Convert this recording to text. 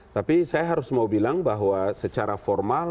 tapi saya harus mau bilang bahwa secara formal